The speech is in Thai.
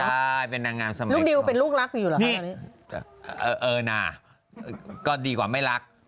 เหมือนนางงามสมัยก่อนนะลูกดิวเป็นลูกรักอยู่หรือคะนี่เออนะก็ดีกว่าไม่รัก